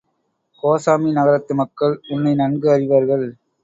கோசாம்பி நகரத்து மக்கள் உன்னை நன்கு அறிவார்கள்.